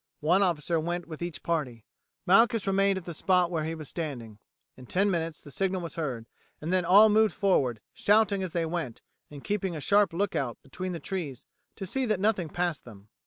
One officer went with each party, Malchus remained at the spot where he was standing. In ten minutes the signal was heard, and then all moved forward, shouting as they went, and keeping a sharp lookout between the trees to see that nothing passed them.